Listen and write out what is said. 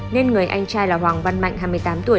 nên người anh trai là hoàng văn mạnh hai mươi tám tuổi